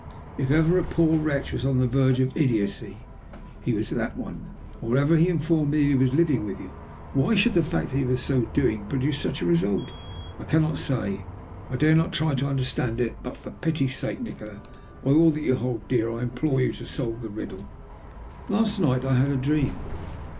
If ever a poor wretch was on the verge of idiotcy he was that one. Moreover, he informed me that he was living with you. Why should the fact that he was so doing produce such a result? I cannot say! I dare not try to understand it! But, for pity's sake, Nikola, by all you hold dear I implore you to solve the riddle. Last night I had a dream!"